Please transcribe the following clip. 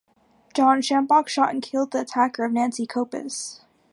John Shambaugh shot and killed the attacker of Nancy Copus.